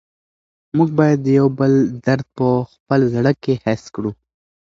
موږ باید د یو بل درد په خپل زړه کې حس کړو.